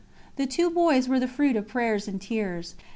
_ The two boys were the fruit of prayers and tears.